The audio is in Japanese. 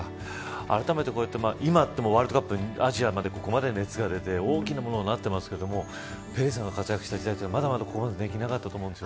あらためて今ってワールドカップ、アジアはここまで熱が出て大きなものになっていますがペレさんが活躍した時代はまだまだここまでできなかったと思います。